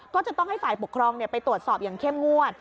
ก็จะต้องให้ฝ่ายปกครองไปตรวจสอบอย่างเข้มงวด